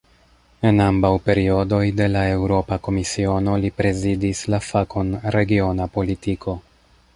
En ambaŭ periodoj de la Eŭropa Komisiono, li prezidis la fakon "regiona politiko".